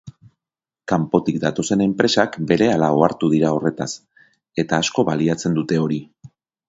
Kanpotik datozen enpresak berehala ohartu dira horretaz, eta asko baliatzen dute hori.